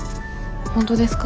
本当ですか？